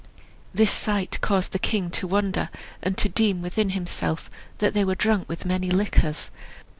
This sight caused the king to wonder, and to deem within himself that they were drunk with many liquors.